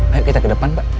ayo kita ke depan pak